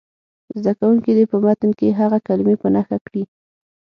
زده کوونکي دې په متن کې هغه کلمې په نښه کړي.